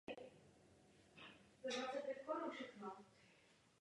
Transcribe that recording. Možný je i výskyt v dutině ústní.